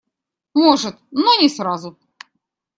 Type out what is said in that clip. Может, но не сразу.